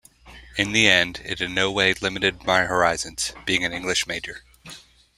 In the end, it in no way limited my horizons, being an English major.